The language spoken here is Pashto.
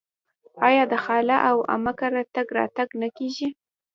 آیا د خاله او عمه کره تګ راتګ نه کیږي؟